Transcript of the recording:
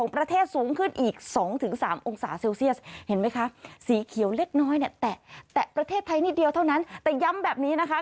ประเทศไทยนิดเดียวเท่านั้นแต่ย้ำแบบนี้นะคะ